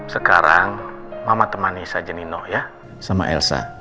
sekarang mama temani saja nino ya sama elsa